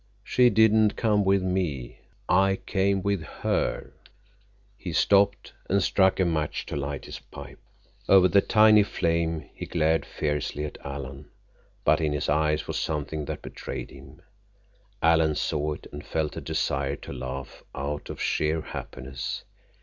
She didn't come with me. I came with her." He stopped and struck a match to light his pipe. Over the tiny flame he glared fiercely at Alan, but in his eyes was something that betrayed him. Alan saw it and felt a desire to laugh out of sheer happiness.